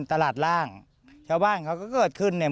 ไม่อยากให้มองแบบนั้นจบดราม่าสักทีได้ไหม